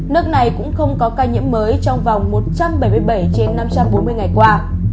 nước này cũng không có ca nhiễm mới trong vòng một trăm bảy mươi bảy trên năm trăm bốn mươi ngày qua